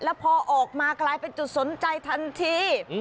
แล้วพอออกมากลายเป็นจุดสนใจทันที